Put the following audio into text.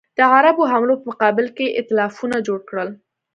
د عربو حملو په مقابل کې ایتلافونه جوړ کړل.